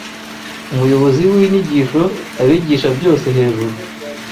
Umuyobozi w'inyigisho Abigisha Byose hejuru